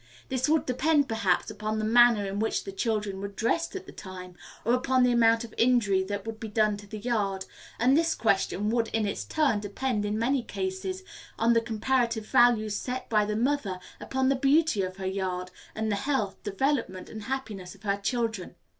This would depend, perhaps, upon the manner in which the children were dressed at the time, or upon the amount of injury that would be done to the yard; and this question would in its turn depend, in many cases, on the comparative value set by the mother upon the beauty of her yard, and the health, development, and happiness of her children.